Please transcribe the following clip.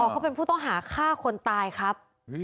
เขาเป็นผู้ต้องหาฆ่าคนตายครับ